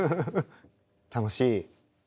楽しい。